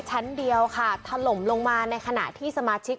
ชั้นเดียวค่ะถล่มลงมาในขณะที่สมาชิก